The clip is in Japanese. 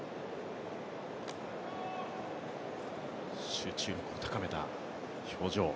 集中を高めた表情。